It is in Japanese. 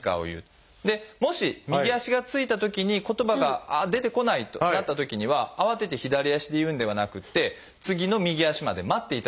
もし右足がついたときに言葉がああ出てこないとなったときには慌てて左足で言うんではなくって次の右足まで待っていただいて結構です。